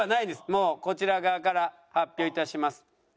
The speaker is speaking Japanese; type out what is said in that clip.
もうこちら側から発表いたします。